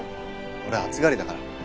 俺暑がりだから。